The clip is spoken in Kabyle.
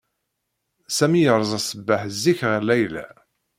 Sami yerza ṣṣbeḥ zik ɣer Layla.